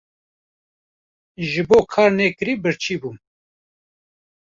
ji bo karnekirî birçî bûm.